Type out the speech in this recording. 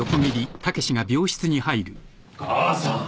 母さん。